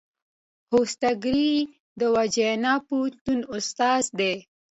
هولسینګر د ورجینیا پوهنتون استاد دی.